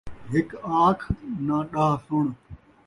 ہک آکھ ناں ݙاہ سݨ